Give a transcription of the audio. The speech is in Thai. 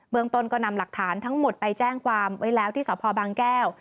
เมืองต้นก็นำหลักฐานทั้งหมดไปแจ้งความไว้แล้วที่สพบางแก้ว